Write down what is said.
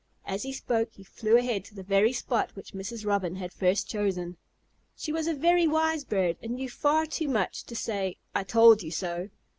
As he spoke he flew ahead to the very spot which Mrs. Robin had first chosen. She was a very wise bird, and knew far too much to say, "I told you so."